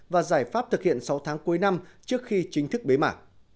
và giải pháp thực hiện sáu tháng cuối năm trước khi chính thức bế mạc